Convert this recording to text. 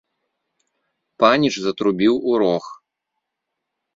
Паніч затрубіў у рог.